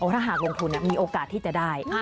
ถ้าหากลงทุนมีโอกาสที่จะได้